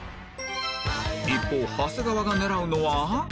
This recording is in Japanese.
一方長谷川が狙うのは